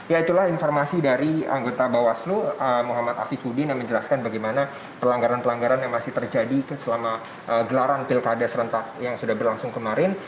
ya itulah informasi dari anggota bawaslu muhammad afifuddin yang menjelaskan bagaimana pelanggaran pelanggaran yang masih terjadi selama gelaran pilkada serentak yang sudah berlangsung kemarin